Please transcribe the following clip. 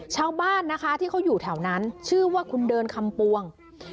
ชาวบ้านนะคะที่เขาอยู่แถวนั้นชื่อว่าคุณเดินคำปวง